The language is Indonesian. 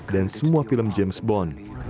dan semua film james bond